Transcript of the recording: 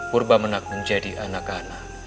purba menang menjadi anak anak